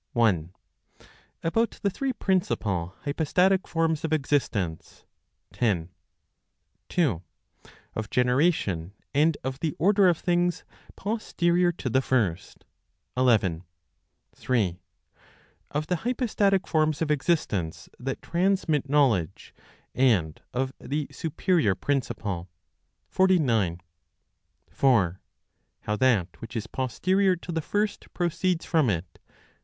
1. About the three Principal Hypostatic Forms of Existence, 10. 2. Of Generation, and of the Order of Things Posterior to the First, 11. 3. Of the Hypostatic Forms of Existence that Transmit Knowledge, and of the Superior Principle, 49. 4. How that which is Posterior to the First Proceeds from it?